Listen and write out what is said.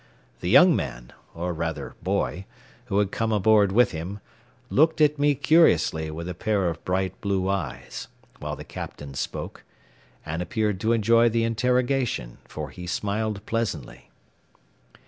The young man, or rather boy, who had come aboard with him, looked at me curiously with a pair of bright blue eyes, while the captain spoke, and appeared to enjoy the interrogation, for he smiled pleasantly.